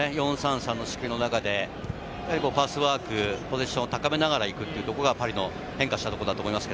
４−３−３の中でのパスワーク、ポゼッションを高めながらいくというところがパリの変化したところだと思います。